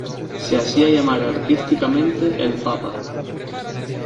Se hacía llamar artísticamente "El Papa".